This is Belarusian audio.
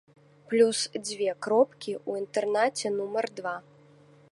Плюс дзве кропкі ў інтэрнаце нумар два.